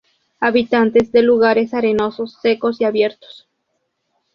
Habitantes de lugares arenosos, secos y abiertos.